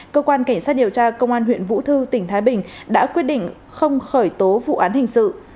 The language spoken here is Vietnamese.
cơ quan cảnh sát điều tra công an huyện vũ thư tỉnh thái bình đã quyết định không khởi tố vụ án hình sự